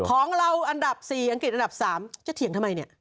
ของเราอันดับ๔อังกฤษอันดับ๓จะเถียงทำไมเนี่ย